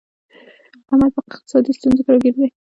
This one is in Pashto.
احمد په اقتصادي ستونزو کې راگیر دی